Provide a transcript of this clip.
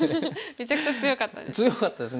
めちゃくちゃ強かったです。